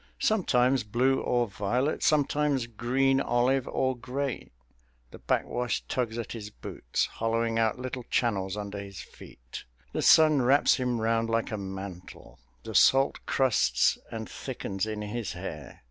Sometimes blue or violet, sometimes green olive or gray. The backwash tugs at his boots, hollowing out little channels under his feet. The sun wraps him round like a mantle; the salt crusts and thickens in his hair.